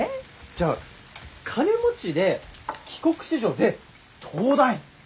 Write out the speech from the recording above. じゃあ金持ちで帰国子女で東大？